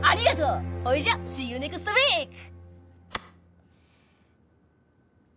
ほいじゃシーユーネクストウィーク！